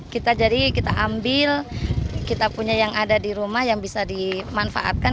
kita jadi kita ambil kita punya yang ada di rumah yang bisa dimanfaatkan